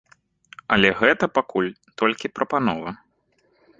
Але гэта пакуль толькі прапанова.